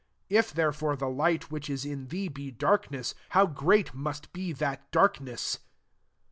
If therefore the light which is in thee be darkness, how great must be that darkness